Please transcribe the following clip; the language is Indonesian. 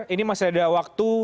ini masih ada waktu